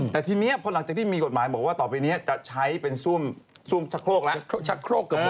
แต่ทีนี้ก็หลังจากที่มีกฏหมายบอกว่าต่อไปนี้จะใช้เป็นซ่อมชักโครก